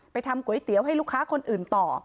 ทำก๋วยเตี๋ยวให้ลูกค้าคนอื่นต่อ